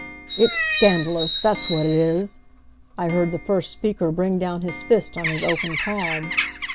"It's scandalous, that's what it is!" I heard the first speaker bring down his fist on his open palm.